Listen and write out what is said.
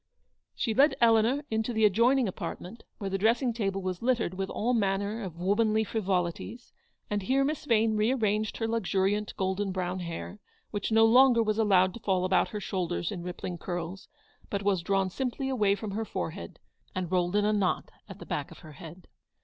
She led Eleanor into the adjoining apartment, where the dressing table was littered with all manner of womanly frivolities, and here Miss Yane re arranged her luxuriant golden brown hair, which no longer was allowed to fall about her shoulders in rippling curls, but was drawn simply away from her forehead, and rolled in a knot at the back of her head.